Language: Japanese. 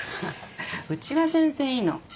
うちは全然いいの。